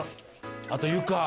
あと床。